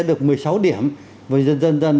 được một mươi sáu điểm và dần dần